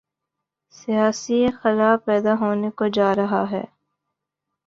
سیاسی خلا پیدا ہونے کو جارہا ہے۔